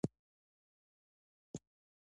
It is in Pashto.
ده نه منله په نیم کښو سترګو یې ګاډۍ مخ کړه.